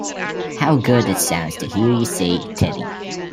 How good it sounds to hear you say 'Teddy'!